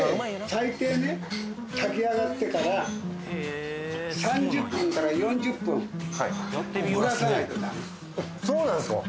最低ね炊き上がってから３０分から４０分蒸らさないとダメそうなんですか？